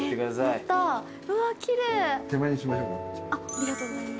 ありがとうございます。